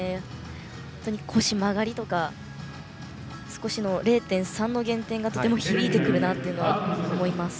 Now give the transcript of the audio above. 腰曲がりとか少しの０．３の減点がとても響いてくるなと思います。